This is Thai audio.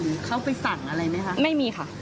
เข้าไปสั่งอะไรไหมคะไม่มีค่ะ